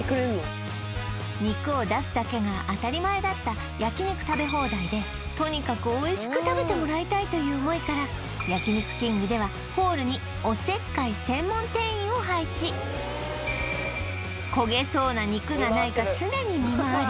肉を出すだけが当たり前だった焼肉食べ放題でとにかくという思いから焼肉きんぐではホールにおせっかい専門店員を配置焦げそうな肉がないか